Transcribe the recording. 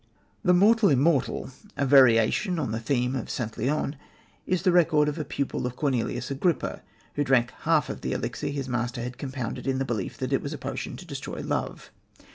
The Mortal Immortal, a variation on the theme of St. Leon, is the record of a pupil of Cornelius Agrippa, who drank half of the elixir his master had compounded in the belief that it was a potion to destroy love.